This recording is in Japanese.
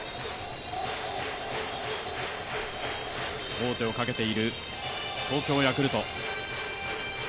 王手をかけている東京ヤクルト。